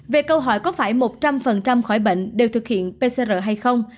về câu hỏi có phải một trăm linh khỏi bệnh đều thực hiện pcr hay không